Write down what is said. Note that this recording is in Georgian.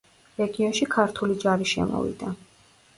რეგიონში ქართული ჯარი შემოვიდა.